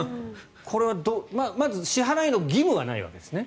これはまず支払いの義務はないわけですね。